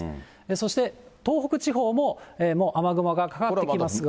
そして、東北地方ももう雨雲がかかってきますが。